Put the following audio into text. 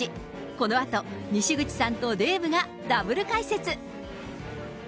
このあと、にしぐちさんとデーブがダブル解説。